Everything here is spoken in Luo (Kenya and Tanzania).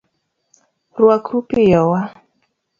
Rwakru piyo wa